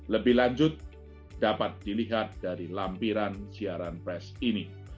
lebih lanjut dapat dilihat dari lampiran siaran press ini